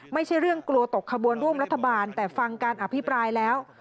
ไม่ใช่เรื่องกลัวตกขบวนร่วมรัฐบาลแต่ฟังการอภิปรายแล้ว